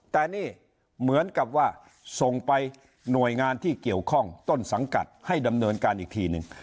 แต่นี่เหมือนกับว่าส่งไปหน่วยงานที่เกี่ยวข้องต้นสังกัดให้ดำเนินการอีกทีหนึ่ง